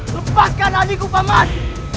lepaskan adikku pak man